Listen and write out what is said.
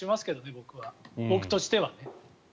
僕としては。